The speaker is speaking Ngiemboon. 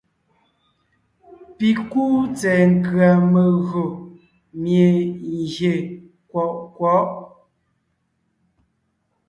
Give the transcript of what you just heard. Pɔ́ kúu tsɛ̀ɛ nkʉ̀a megÿò mie gyè kwɔʼ kwɔ̌ʼ.